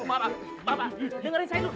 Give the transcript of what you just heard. pak pak dengerin saya dulu